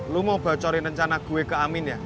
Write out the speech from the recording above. lo mau bocorin rencana gue ke amin ya